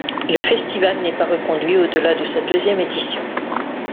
Le festival n'est pas reconduit au-delà de sa deuxième édition.